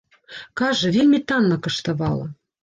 Кажа, вельмі танна каштавала.